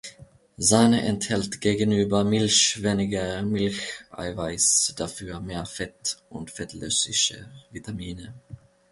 Sahne enthält gegenüber Milch weniger Milcheiweiß, dafür mehr Fett und fettlösliche Vitamine.